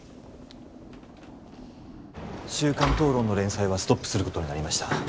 週刊討論の連載はストップすることになりました梓